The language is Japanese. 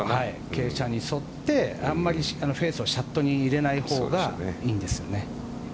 傾斜に沿ってフェイスをシャフトに入れないほうがいいんですよね。